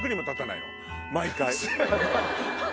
毎回。